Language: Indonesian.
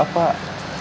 ya tapi aku mau